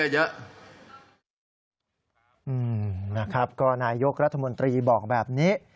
นะครับก็นายกรัฐมนตรีบอกแบบนี้